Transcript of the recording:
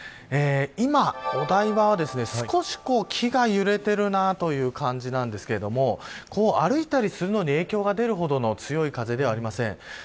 今、お台場は少し木が揺れているなという感じなんですけれども歩いたりするのに影響が出るほどの強い風ではありません。